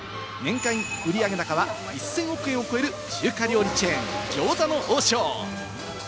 年間売上高は１０００億円を超える中華料理チェーン・餃子の王将。